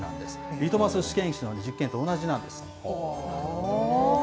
リトマス試験紙の実験と同じなんです。